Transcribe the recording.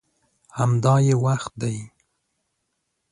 همدا یې وخت دی.